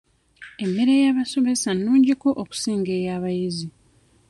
Emmere y'abasomesa nnungi ko okusinga ey'abayizi.